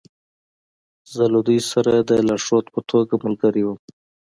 زه له دوی سره د لارښود په توګه ملګری وم